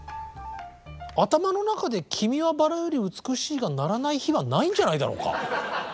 頭の中で「君は薔薇より美しい」が鳴らない日がないんじゃないだろうか。